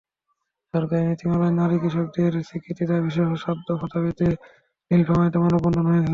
সরকারি নীতিমালায় নারী কৃষকের স্বীকৃতির দাবিসহ সাত দফা দাবিতে নীলফামারীতে মানববন্ধন হয়েছে।